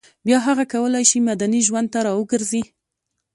بیا هغه کولای شي مدني ژوند ته راوګرځي